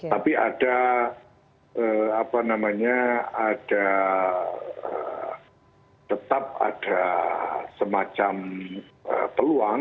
tapi ada apa namanya ada tetap ada semacam peluang